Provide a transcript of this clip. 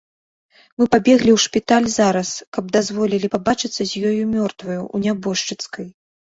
Мы пабеглі ў шпіталь зараз, каб дазволілі пабачыцца з ёю мёртваю, у нябожчыцкай.